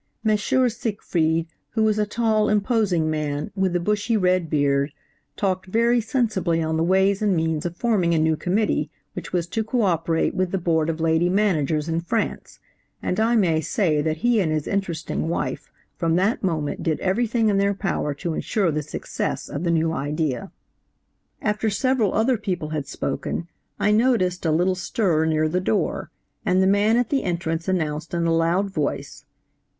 M. Siegfried, who is a tall, imposing man, with a bushy, red beard, talked very sensibly on the ways and means of forming a new committee which was to co operate with the Board of Lady Managers in France, and I may say that he and his interesting wife from that moment did everything in their power to insure the success of the new idea. "After several other people had spoken I noticed a little stir near the door, and the man at the entrance announced in a loud voice–'M.